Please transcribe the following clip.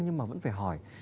nhưng mà vẫn phải hỏi